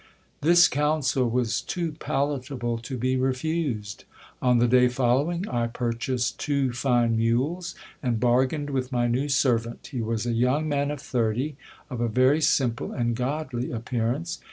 This counsel was too palatable to be refused. On the day following I pur chased two fine mules, and bargained with my new servant He was a young man of thirty, of a very simple and godly appearance.